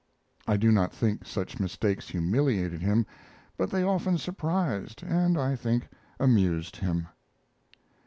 I do not think such mistakes humiliated him; but they often surprised and, I think, amused him.